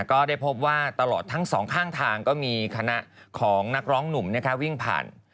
ก็ได้พบว่าตลอดทั้งสองข้างทางก็มีคณะของนักร้องหนุ่มวิ่งผ่าน